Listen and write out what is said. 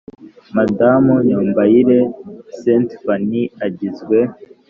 madamu nyombayire st phanie agizwe